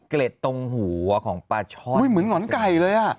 เกร็ดตรงหัวของปลาช่อยเหมือนหอนไก่เลยอ่ะ